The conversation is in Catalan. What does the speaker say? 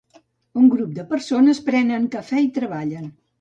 Un grup de persones pren cafè i treballen.